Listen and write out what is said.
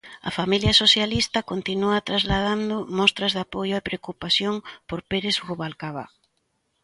A familia socialista continúa trasladando mostras de apoio e preocupación por Pérez Rubalcaba.